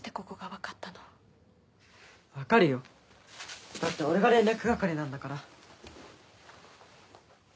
分かるよだって俺が連絡係なんだから。